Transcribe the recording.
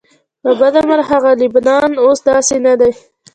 له بده مرغه هغه لبنان اوس داسې نه دی.